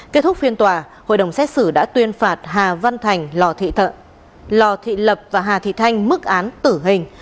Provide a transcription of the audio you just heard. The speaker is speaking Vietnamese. kết thúc phiên tòa hội đồng xét xử đã tuyên phạt hà văn thành lò thị lò thị lập và hà thị thanh mức án tử hình